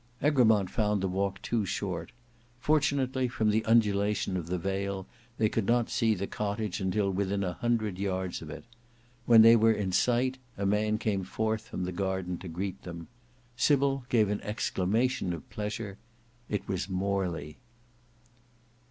Egremont found the walk too short; fortunately from the undulation of the vale, they could not see the cottage until within a hundred yards of it. When they were in sight, a man came forth from the garden to greet them; Sybil gave an exclamation of pleasure; it was MORLEY.